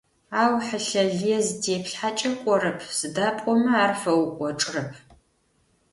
Ау хьылъэ лые зытеплъхьэкӏэ кӏорэп, сыда пӏомэ ар фэукӏочӏырэп.